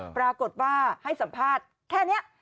ปรากฏว่าให้สัมภาษณ์แค่นี้